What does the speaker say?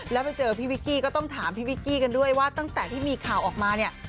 แล้วไปเจอพี่วิกกี้ก็ต้องถามพี่วิกกี้กันด้วยว่าตั้งแต่ที่มีข่าวออกมาเนี่ย